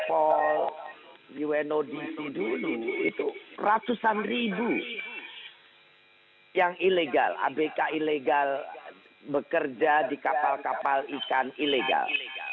kepala jnodc dulu ratusan ribu yang ilegal abk ilegal bekerja di kapal kapal ikan ilegal